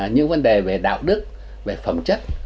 những vấn đề về đạo đức về phẩm chất